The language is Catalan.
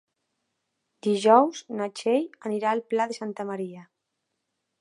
Dijous na Txell anirà al Pla de Santa Maria.